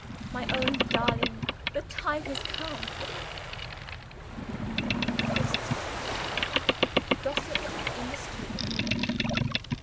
My own darling, the time has come!" POSTSCRIPT. GOSSIP IN THE STUDIO.